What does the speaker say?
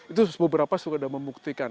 itu beberapa suka membuktikan